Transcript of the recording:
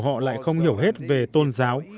họ lại không hiểu hết về tôn giáo